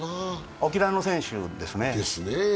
沖縄の選手ですね。